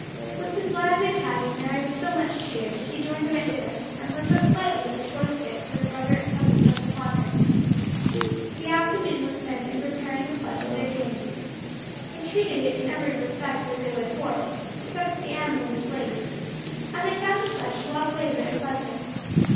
With this lively chatting, Mary was so much cheered, that she joined them at dinner, and partook slightly of the choice bits that her brother and cousin pressed upon her. The afternoon was spent in preparing the flesh of their game. They treated it in every respect as they would pork, except that the animal was flayed; and they found the flesh well flavoured and pleasant.